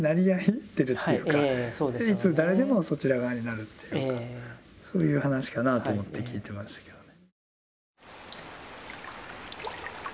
いつ誰でもそちら側になるっていうかそういう話かなと思って聞いてましたけどね。